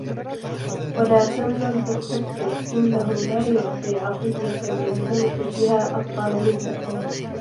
وَلَا تَمْنُنْ تَسْتَكْثِرْ إنَّهُ لَا يُعْطِي عَطِيَّةً يَلْتَمِسُ بِهَا أَفْضَلَ مِنْهَا